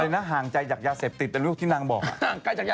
ไปห่างใจอยากยาเสพติดแต่รู้กับที่นางบอก